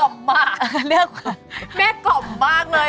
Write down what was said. สวัสดีครับ